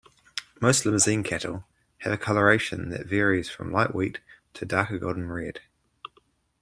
Most Limousin cattle have a coloration that varies from light wheat to darker golden-red.